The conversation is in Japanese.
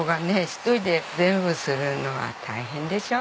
一人で全部するのは大変でしょ。